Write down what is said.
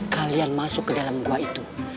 kalian masuk ke dalam gua itu